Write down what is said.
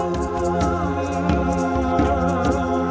ini adalah bagian dari sistem gelitrikan nasional